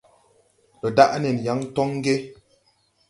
Ndo daʼ nen yaŋ toŋ ge ?